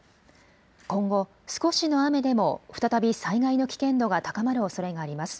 今後、少しの雨でも再び災害の危険度が高まるおそれがあります。